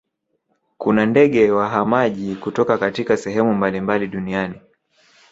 kuna ndege wahamaji kutoka katika sehemu mbalimbali duniani